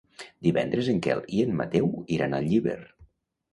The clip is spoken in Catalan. Divendres en Quel i en Mateu iran a Llíber.